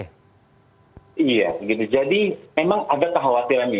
iya jadi memang ada kekhawatirannya